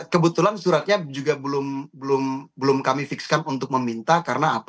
kebetulan suratnya juga belum kami fixkan untuk meminta karena apa